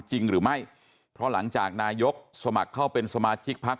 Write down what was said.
จริงหรือไม่เพราะหลังจากนายกสมัครเข้าเป็นสมาชิกพัก